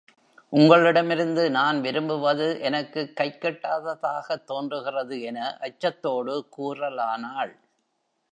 உங்களிடமிருந்து நான் விரும்புவது எனக்குக் கைக்கெட்டாததாகத் தோன்றுகிறது என அச்சத்தோடு கூறலானாள்.